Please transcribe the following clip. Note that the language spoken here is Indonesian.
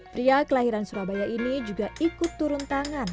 pria kelahiran surabaya ini juga ikut turun tangan